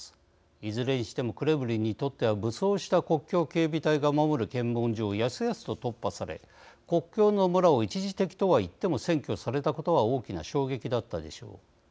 いずれにしてもクレムリンにとっては武装した国境警備隊が守る検問所をやすやすと突破され国境の村を一時的とはいっても占拠されたことは大きな衝撃だったでしょう。